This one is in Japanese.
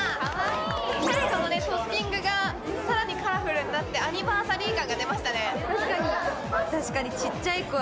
トッピングがさらにカラフルになってアニバーサリー感が出ましたね